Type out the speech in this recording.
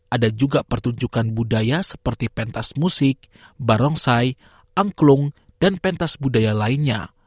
ada juga pertunjukan budaya seperti pentas musik barongsai angklung dan pentas budaya lainnya